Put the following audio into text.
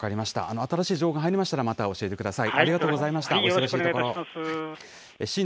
新しい情報が入りましたら、また教えてください。